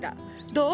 どう？